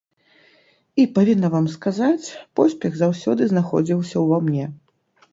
І, павінна вам сказаць, поспех заўсёды знаходзіўся ўва мне.